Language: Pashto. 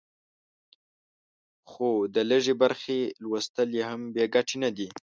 خو د لږې برخې لوستل یې هم بې ګټې نه دي.